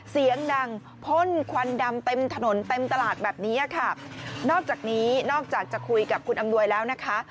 เสียงดังพ่นควันดำเต็มถนนเต็มตลาดแบบนี้ค่ะนอกจากนี้นอกจากจะคุยกับคุณอำนวยแล้วนะคะ